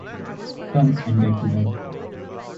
Come and get to bed.